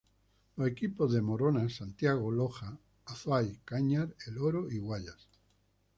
Los equipos de Morona Santiago, Loja, Azuay, Cañar, El Oro y Guayas.